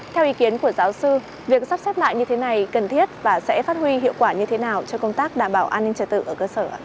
theo ý kiến của giáo sư việc sắp xếp lại như thế này cần thiết và sẽ phát huy hiệu quả như thế nào cho công tác đảm bảo an ninh trật tự ở cơ sở